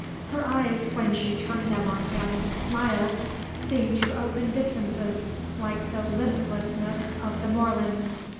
Her eyes, when she turned them on him and smiled, seemed to open distances like the limitlessness of the moorland.